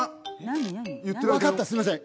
分かったすいません